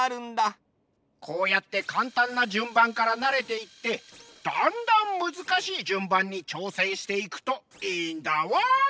こうやってかんたんなじゅんばんからなれていってだんだんむずかしいじゅんばんにちょうせんしていくといいんだワン！